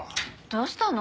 どうしたの？